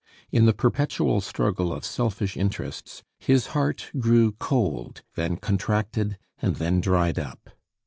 In the perpetual struggle of selfish interests his heart grew cold, then contracted, and then dried up.